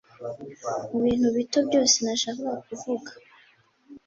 mubintu bito byose nashakaga kuvuga ....